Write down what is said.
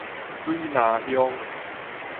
水林鄉